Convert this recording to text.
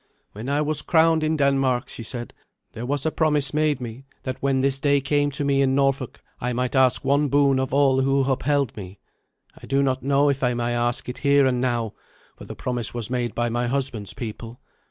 "When I was crowned in Denmark," she said, "there was a promise made me, that when this day came to me in Norfolk I might ask one boon of all who upheld me. I do not know if I may ask it here and now, for the promise was made by my husband's people.